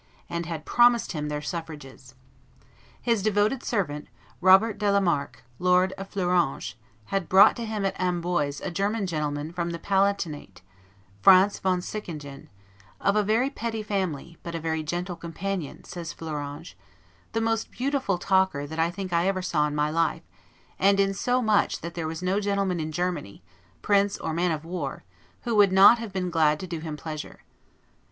and had promised him their suffrages. His devoted servant, Robert de la Marck, Lord of Fleuranges, had brought to him at Amboise a German gentleman from the Palatinate, Franz von Sickingen, "of very petty family, but a very gentle companion," says Fleuranges, "the most beautiful talker that I think I ever saw in my life, and in so much that there was no gentleman in Germany, prince or man of war, who would not have been glad to do him pleasure."